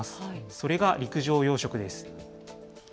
それが陸上養殖です。